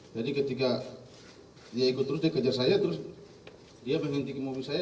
jadi ketika dia ikut terus dia kejar saya terus dia menghentikan mobil saya